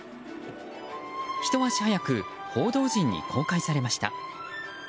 ひと足早く報道陣に公開されました。